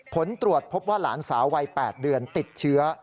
ผลตรวจพบว่าหลานสาววัย๘เดือนติดเชื้อ